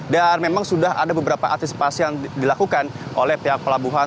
dan memang sudah ada beberapa antisipasi yang dilakukan oleh pihak pelabuhan